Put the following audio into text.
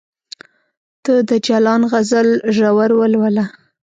ته د جلان غزل ژور ولوله